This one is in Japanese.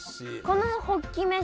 このホッキ飯